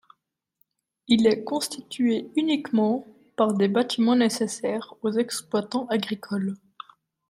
Il est constitué uniquement par des bâtiments nécessaires aux exploitants agricoles.